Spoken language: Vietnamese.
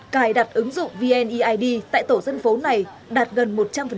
cài đặt ứng dụng vneid tại tổ dân phố này đạt gần một trăm linh